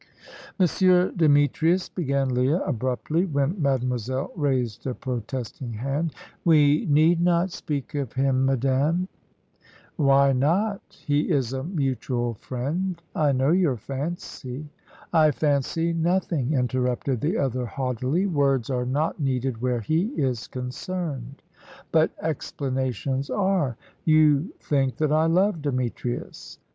"Monsieur Demetrius," began Leah, abruptly, when Mademoiselle raised a protesting hand. "We need not speak of him, madame." "Why not? He is a mutual friend. I know you fancy " "I fancy nothing," interrupted the other, haughtily. "Words are not needed where he is concerned." "But explanations are. You think that I love Demetrius!"